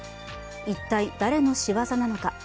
一体、誰のしわざなのか。